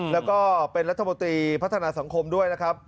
แล้วก็เป็นรัฐมนตรีพัฒนาสังคมด้วยนะครับ